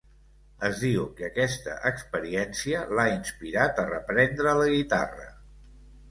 Es diu que aquesta experiència l'ha inspirat a reprendre la guitarra.